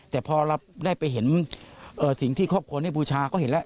แต่พอเราได้ไปเห็นสิ่งที่ครอบครัวได้บูชาก็เห็นแล้ว